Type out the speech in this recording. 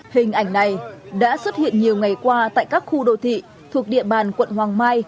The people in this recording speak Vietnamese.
hình ảnh này đã xuất hiện nhiều ngày qua tại các khu đô thị thuộc địa bàn quận hoàng mai